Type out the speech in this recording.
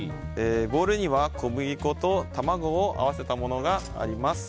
ボウルには小麦粉と卵を合わせたものがあります。